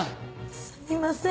すみません